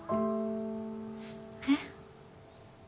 えっ？